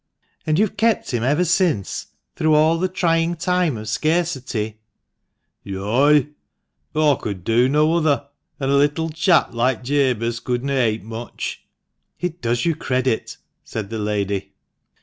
"And you have kept him ever since — through all the trying time of scarcity ?" "Yoi; aw could do no other, an' a little chap like Jabez couldna ate much." "It does you credit," said the lady.